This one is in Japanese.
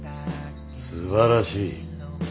すばらしい。